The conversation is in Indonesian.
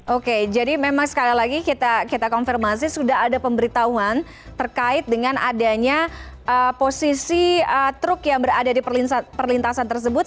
oke jadi memang sekali lagi kita konfirmasi sudah ada pemberitahuan terkait dengan adanya posisi truk yang berada di perlintasan tersebut